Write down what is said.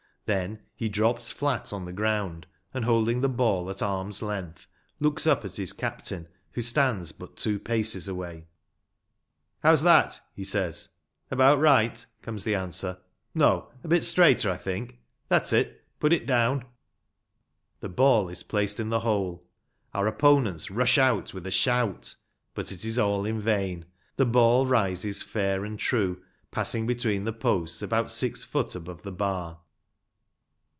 Then he drops flat on the ground, and holding the ball at arm's length, looks up at his captain, who stands but two paces away. " How's that ?" he says. " About right," comes the answer. " No ‚ÄĒ a bit straighter, I think. That's it ‚ÄĒ put it down." The ball is placed in the hole ; our opponents rush out with a shout ; but it is all in vain. The ball rises fair and true, pass ing between the posts about six feet above the bar.